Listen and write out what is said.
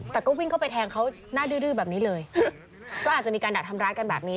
แต่ก็วิ่งเข้าไปแทงเขาหน้าดื้อแบบนี้เลยก็อาจจะมีการดักทำร้ายกันแบบนี้